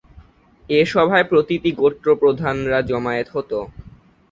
এ সভায় প্রতিটি গোত্র প্রধানরা জমায়েত হতো।